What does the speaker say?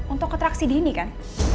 untuk atraksi dini kan